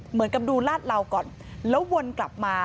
เหมือนกับดูลาดเหลาก่อนแล้ววนกลับมา